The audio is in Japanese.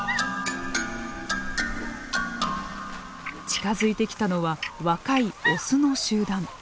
近づいてきたのは若いオスの集団。